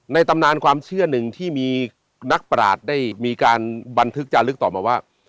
ตำนานความเชื่อหนึ่งที่มีนักปราศได้มีการบันทึกจาลึกต่อมาว่า